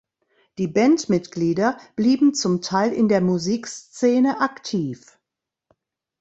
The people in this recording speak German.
Die Bandmitglieder blieben zum Teil in der Musikszene aktiv.